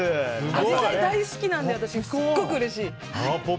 アジサイ、大好きなんですっごくうれしい。